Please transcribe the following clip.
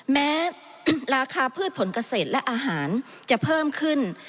แม้ราคาพืชผลเกษตรและอาหารจะเพิ่มขึ้น